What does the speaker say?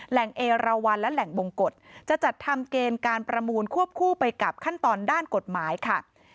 เอราวันและแหล่งบงกฎจะจัดทำเกณฑ์การประมูลควบคู่ไปกับขั้นตอนด้านกฎหมายค่ะ